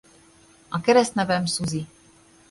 A keresztnevem Susie.